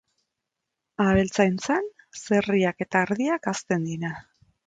Abeltzaintzan, zerriak eta ardiak hazten dira.